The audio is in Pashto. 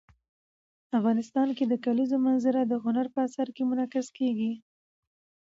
افغانستان کې د کلیزو منظره د هنر په اثار کې منعکس کېږي.